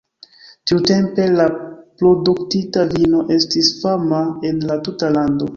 Tiutempe la produktita vino estis fama en la tuta lando.